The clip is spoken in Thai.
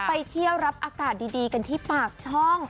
ไปเที่ยวรับอากาศดีกันที่ปากช่อง